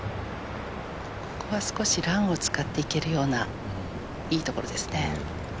少しランを使っていけるようないいところですね。